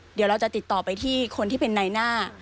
เดี๋ยวเราจะติดต่อไปที่คนที่เป็นในหน้า